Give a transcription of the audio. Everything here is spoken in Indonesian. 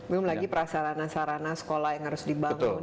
belum lagi prasarana sarana sekolah yang harus dibangun